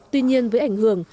tuy nhiên với ảnh hưởng